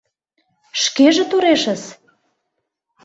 Шкеже торешыс!